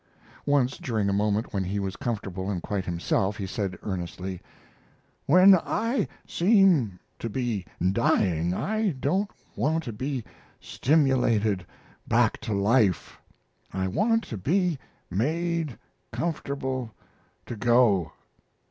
Once, during a moment when he was comfortable and quite himself, he said, earnestly: "When I seem to be dying I don't want to be stimulated back to life. I want to be made comfortable to go."